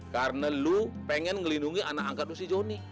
karena lu pengen ngelindungi anak angkat lu si joni